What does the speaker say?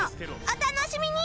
お楽しみに！